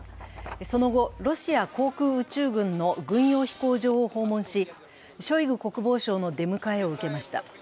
その後、ロシア航空宇宙軍の軍用飛行場を訪問し、ショイグ国防相の出迎えを受けました。